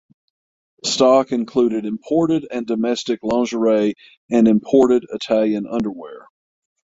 Stock included imported and domestic lingerie and imported Italian underwear.